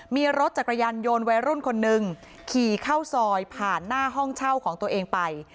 มีรถจักรยานยนต์วัยรุ่นคนนึงขี่เข้าซอยผ่านหน้าห้องเช่าของตัวเองไป